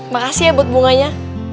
makasih ya buat bunganya